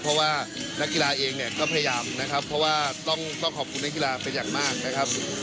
เพราะว่านักกีฬาเองเนี่ยก็พยายามนะครับเพราะว่าต้องขอบคุณนักกีฬาเป็นอย่างมากนะครับ